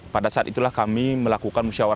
pada saat itulah kami melakukan musyawarah